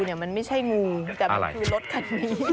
มันไม่ใช่งูแต่มันคือรถคันนี้